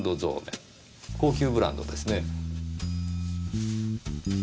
高級ブランドですね。